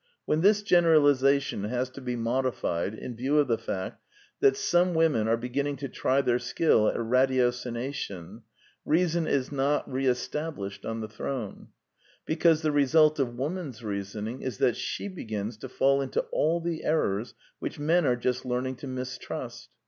When this generalization has to be modified in view of the fact that some women are beginning to try their skill at ratiocination, reason is not re established on the throne; because the result of Woman's reasoning is that she begins to fall into all the errors which men are just learning to mis trust.